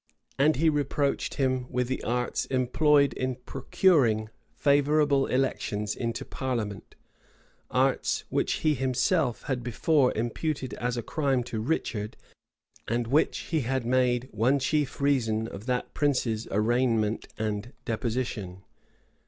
And he reproached him with the arts employed in procuring favorable elections into parliament; arts which he himself had before imputed as a crime to Richard, and which he had made one chief reason of that prince's arraignment and deposition.